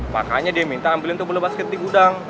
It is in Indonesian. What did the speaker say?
makanya dia minta ambilin tuh bola basket di gudang